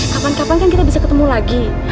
kapan kapan kan kita bisa ketemu lagi